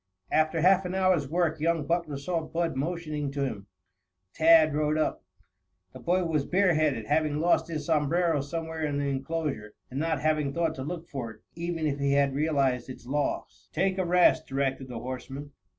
After half an hour's work young Butler saw Bud motioning to him. Tad rode up. The boy was bare headed, having lost his sombrero somewhere in the enclosure, and not having thought to look for it, even if he had realized its loss. "Take a rest," directed the horseman.